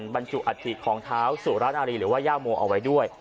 บรรจุอัฐิของเท้าสุรนารีหรือว่าย่าโมเอาไว้ด้วย